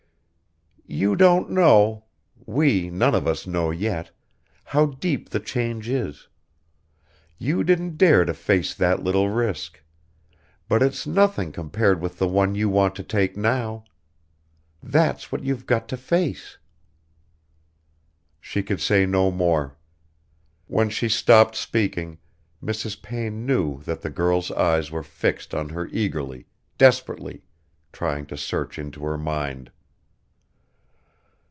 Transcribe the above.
You don't know we none of us know yet how deep the change is. You didn't dare to face that little risk; but it's nothing compared with the one you want to take now. That's what you've got to face!" She could say no more. When she stopped speaking Mrs. Payne knew that the girl's eyes were fixed on her eagerly, desperately, trying to search into her mind.